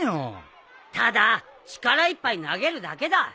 ただ力いっぱい投げるだけだ。